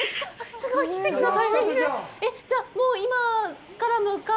すごい！奇跡のタイミング。